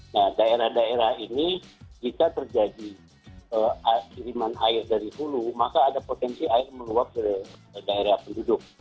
nah daerah daerah ini jika terjadi kiriman air dari hulu maka ada potensi air meluap ke daerah penduduk